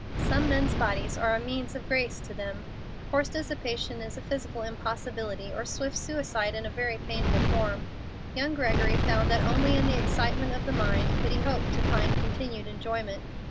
Some men's bodies are a "means of grace" to them. Coarse dissipation is a physical impossibility, or swift suicide in a very painful form. Young Gregory found that only in the excitements of the mind could he hope to find continued enjoyment.